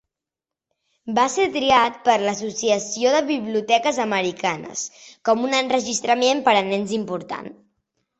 Va se triat per l'Associació de Biblioteques americanes com un enregistrament per a nens important.